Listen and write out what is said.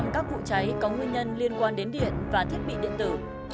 năm mươi các vụ cháy có nguyên nhân liên quan đến điện và thiết bị điện tử